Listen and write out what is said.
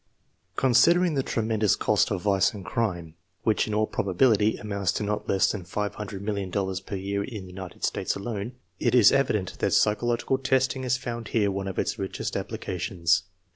Considering the tremendous cost of vice and crime, which in all probability amounts to not less than $500,000,000 per year in the United States alone, it is evident that psy chological testing has found here one of its richest applica tions.